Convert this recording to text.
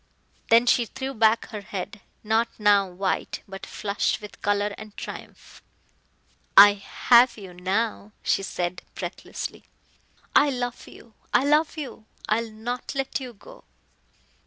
Then she threw back her head, not now white, but flushed with color and triumph. "I have you now," she said breathlessly. "I love you I love you I will not let you go!"